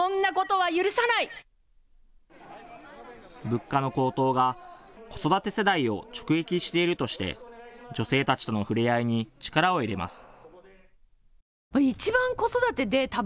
物価の高騰が、子育て世代を直撃しているとして、女性たちとのふれあいに力を入れます。